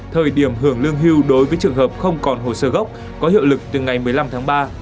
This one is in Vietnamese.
thời điểm hưởng lương hưu đối với trường hợp không còn hồ sơ gốc có hiệu lực từ ngày một mươi năm tháng ba